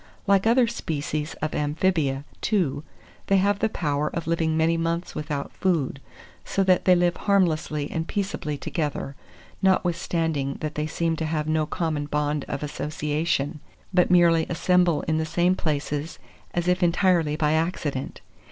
Like other species of amphibia, too, they have the power of living many months without food; so that they live harmlessly and peaceably together, notwithstanding that they seem to have no common bond of association, but merely assemble in the same places as if entirely by accident.